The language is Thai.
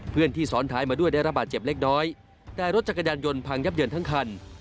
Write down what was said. เพื่อนที่ซ้อนท้ายมาด้วยได้ระบาดเจ็บเล็กน้อยแต่รถจักรยานยนต์พังยับเยินทั้งคัน